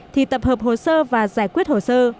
thì tập hợp hồ sơ và giải quyết hồ sơ